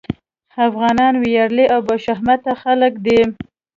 افغانان وياړلي او باشهامته خلک دي.